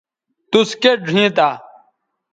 توس کیئت ڙھئیں تھا